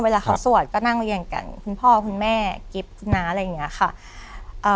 เวลาเขาสวดก็นั่งเรียงกันคุณพ่อคุณแม่กิฟต์นะอะไรอย่างเงี้ยค่ะเอ่อ